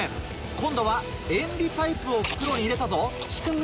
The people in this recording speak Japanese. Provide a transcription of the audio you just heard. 今度は塩ビパイプを袋に入れたぞ。